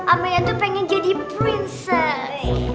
amalia tuh pengen jadi prinses